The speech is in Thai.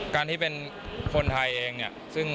การที่เป็นคนไทยเอง